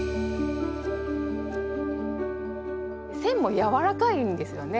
線もやわらかいんですよね